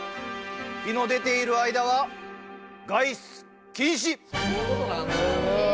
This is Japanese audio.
日の出ている間は外出禁止！